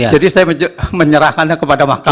jadi saya menyerahkannya kepada mahkamah